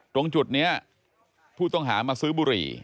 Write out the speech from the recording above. ตรงจุดนี้ผู้ต้องหามาซื้อบุหรี่